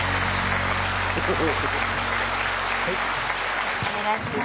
よろしくお願いします